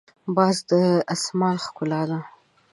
باز د اسمان ښکلا ده